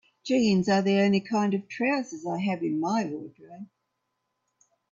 Jeans are the only kind of trousers I have in my wardrobe.